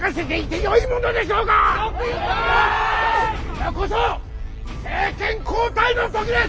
今こそ政権交代の時です！